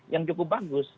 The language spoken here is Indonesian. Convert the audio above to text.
yang cukup bagus